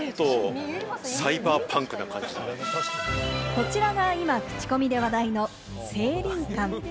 こちらが今クチコミで話題の聖林館。